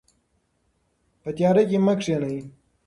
په تیاره کې مه کښینئ.